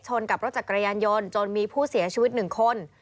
กับรถจักรยานยนต์จนมีผู้เสียชีวิต๑คน